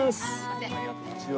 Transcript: こんにちは。